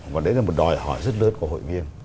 và đấy là một đòi hỏi rất lớn của hội viên